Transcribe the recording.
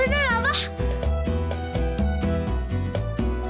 iih bener abah